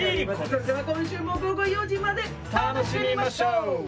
それでは今週も午後４時まで楽しみましょう！